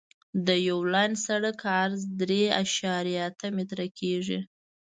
د یو لاین سرک عرض درې اعشاریه اته متره کیږي